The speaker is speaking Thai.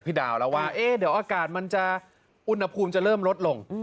ดาวแล้วว่าเดี๋ยวอากาศมันจะอุณหภูมิจะเริ่มลดลง